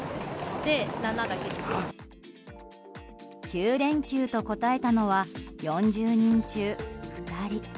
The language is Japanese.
９連休と答えたのは４０人中２人。